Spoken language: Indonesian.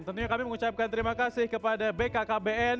tentunya kami mengucapkan terima kasih kepada bkkbn